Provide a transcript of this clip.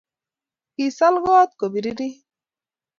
kisal kote kubirieit